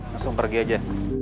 langsung pergi aja